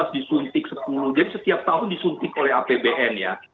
dua ribu delapan belas disuntik sepuluh jadi setiap tahun disuntik oleh apbn ya